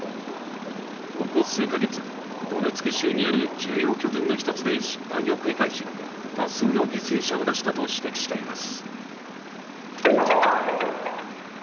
ここ数か月、ドネツク州にある重要拠点の１つで失敗を繰り返し、多数の犠牲者を出したと指摘しています。